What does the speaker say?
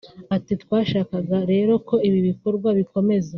Ati "Twashakaga rero ko ibi bikorwa bikomeza